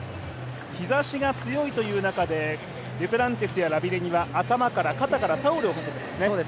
日ざしが強いという中で、デュプランティスやラビレニは、頭から、肩からタオルをかけてますね。